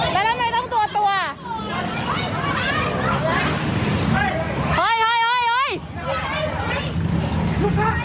หนังเจ้ากู